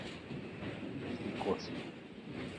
Likoci